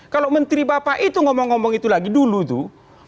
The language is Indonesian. kalau menteri bapak itu ngomong ngomong itu lagi dulu tuh